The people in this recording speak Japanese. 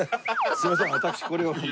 すいません私これを。